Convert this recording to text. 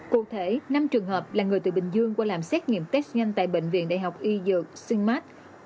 cụ thể năm trường hợp là người từ bình dương qua làm xét nghiệm test nhanh tại bệnh viện đại học y dược xuyên mát